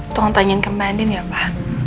tolong tanyain ke mbak andin ya pa